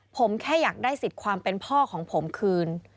ผมแค่อยากได้สิทธิ์ความเป็นพ่อของผมคืน